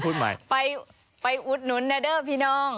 ไปไปอุดหนุนนะเด้อพี่น้อง